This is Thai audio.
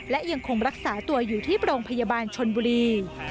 และยังคงรักษาตัวอยู่ที่โรงพยาบาลชนบุรี